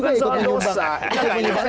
bukan soal dosa